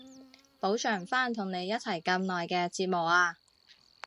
補償返同你一齊咁耐嘅折磨啊